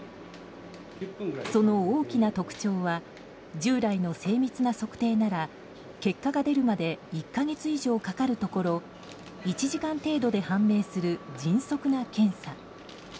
その大きな特徴は従来の精密な測定なら結果が出るまで１か月以上かかるところ１時間程度で判明する迅速な検査。